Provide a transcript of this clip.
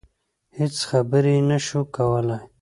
هېڅ خبرې يې نشوای کولای.